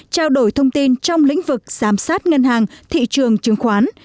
trao đổi thông tin trong lĩnh vực giám sát ngân hàng thị trường chứng khoán